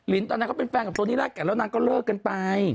ลิ้นตอนนั้นเขาเป็นใครกับโทนี่รากแก่นแล้วนางก็เลิกไป